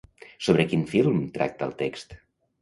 Sobre quin film tracta el text?